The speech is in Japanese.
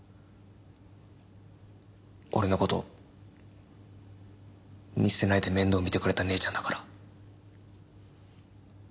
俺の事見捨てないで面倒見てくれた姉ちゃんだから。